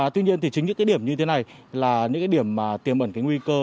tuy nhiên chính những địa điểm như thế này là những địa điểm tiềm ẩn nguy cơ